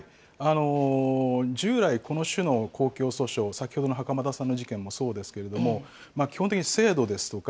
従来、この種の公共訴訟、先ほどの袴田さんの事件もそうですけれども、基本的に制度ですとか